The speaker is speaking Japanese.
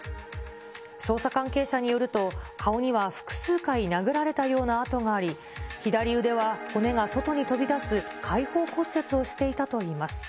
捜査関係者によると、顔には複数回殴られたような痕があり、左腕は骨が外に飛び出す開放骨折をしていたといいます。